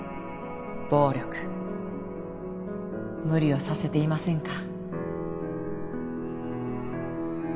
暴力無理をさせていませんか？